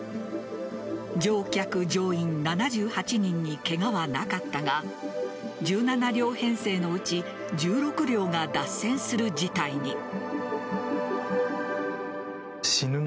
乗客乗員７８人にケガはなかったが１７両編成のうち１６両が脱線する事態に。